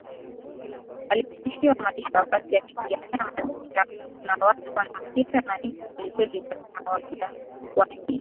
alitishiwa maisha wakati akipigania mazingiraKuna watu wana hasira na mimi kwelikweli lakini hawajawahi